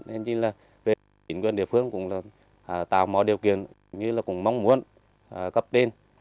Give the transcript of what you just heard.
nên chính quyền địa phương cũng tạo mọi điều kiện cũng mong muốn cấp tên